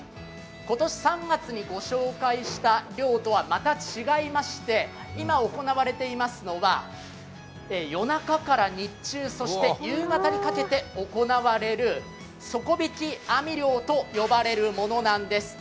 今年３月にご紹介した漁とはまた違いまして、今行われていますのは夜中から日中そして、夕方にかけて行われる底引き網と呼ばれるものなんです。